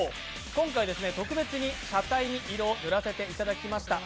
今回、特別に車体に色、塗らせていただきました。